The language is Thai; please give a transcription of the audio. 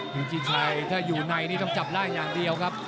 พิชิชัยถ้าอยู่ในนี่ต้องจับได้อย่างเดียวครับ